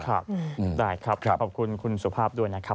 ครับได้ครับขอบคุณคุณสุภาพด้วยนะครับ